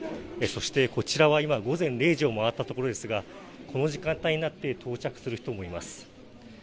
そしてこちらは今、午前０時を回ったところですが、この時間帯になって到着する人もいます。